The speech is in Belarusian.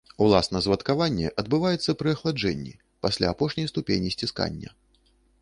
Уласна звадкаванне адбываецца пры ахаладжэнні пасля апошняй ступені сціскання.